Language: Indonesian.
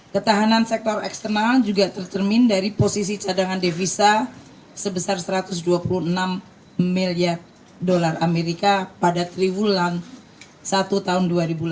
ketahanan sektor eksternal juga tercermin dari posisi cadangan devisa sebesar satu ratus dua puluh enam miliar dolar amerika pada triwulan satu tahun dua ribu delapan belas